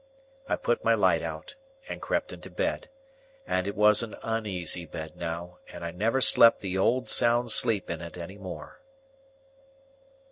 I put my light out, and crept into bed; and it was an uneasy bed now, and I never slept the old sound sleep in it any more.